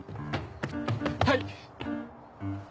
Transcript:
はい。